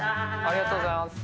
ありがとうございます。